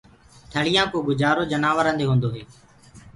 ٿݪيآ ڪو گُجآرو جنآورآنٚ دي هونٚدوئي